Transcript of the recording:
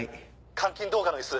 監禁動画の椅子